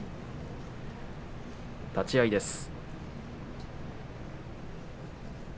立ち合いです。